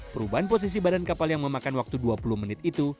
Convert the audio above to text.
perubahan posisi badan kapal yang memakan waktu dua puluh menit itu